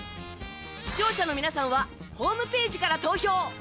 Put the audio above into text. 視聴者の皆さんは、ホームページから投票。